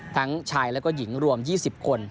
ทั้งชายและก็หญิงรวม๒๐คน